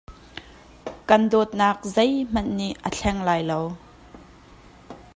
Kan dawtnak zei hmanh nih a thleng lai lo.